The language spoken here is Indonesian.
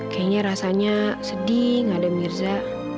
kayaknya rasanya sedih gak ada mirza